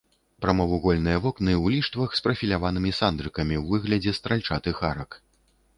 Прамавугольныя вокны ў ліштвах з прафіляванымі сандрыкамі ў выглядзе стральчатых арак.